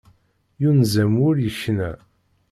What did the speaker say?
Yunez-am wul yekna.